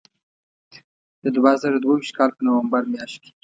د دوه زره دوه ویشت کال په نومبر میاشت کې.